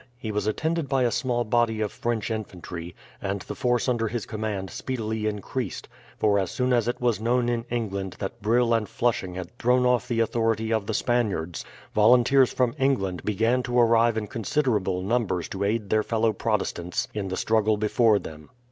He was attended by a small body of French infantry, and the force under his command speedily increased; for as soon as it was known in England that Brill and Flushing had thrown off the authority of the Spaniards, volunteers from England began to arrive in considerable numbers to aid their fellow Protestants in the struggle before them.